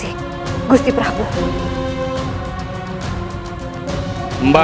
menjadi seorang ratu kembali